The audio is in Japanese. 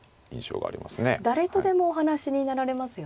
誰とでもお話しになられますよね。